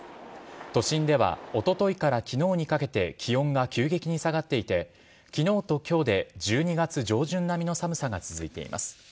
都心ではおとといから昨日にかけて気温が急激に下がっていて昨日と今日で１２月上旬並みの寒さが続いています。